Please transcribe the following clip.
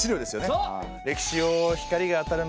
そう。